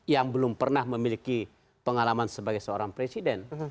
yang belum pernah memiliki pengalaman sebagai seorang presiden